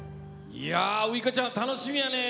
ウイカちゃん楽しみやね。